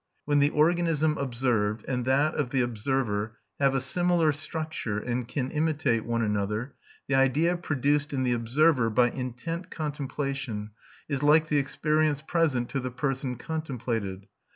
When the organism observed and that of the observer have a similar structure and can imitate one another, the idea produced in the observer by intent contemplation is like the experience present to the person contemplated.